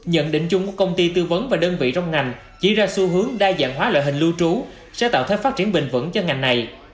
nhận định chung của công ty tư vấn và đơn vị trong ngành chỉ ra xu hướng đa dạng hóa loại hình lưu trú sẽ tạo thế phát triển bình vẩn cho ngành này